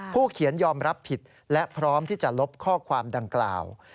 เขียนยอมรับผิดและพร้อมที่จะลบข้อความดังกล่าว